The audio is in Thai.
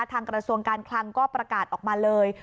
กระทรวงการคลังก็ประกาศออกมาเลย